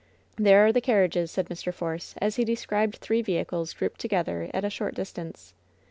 "There are the carriages,'^ said Mr. Force, as he de scribed three vehicles grouped together at a short dis tance.